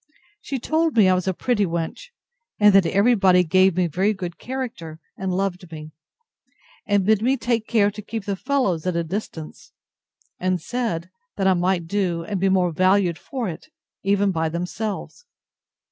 She told me I was a pretty wench, and that every body gave me a very good character, and loved me; and bid me take care to keep the fellows at a distance; and said, that I might do, and be more valued for it, even by themselves.